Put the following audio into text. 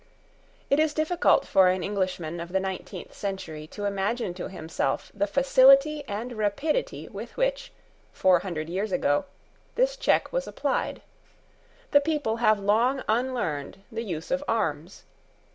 It is difficult for an Englishman of the nineteenth century to imagine to himself the facility and rapidity with which, four hundred years ago, this check was applied. The people have long unlearned the use of arms.